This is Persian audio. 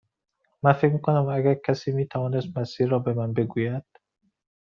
من فکر می کنم اگر کسی می توانست مسیر را به من بگوید.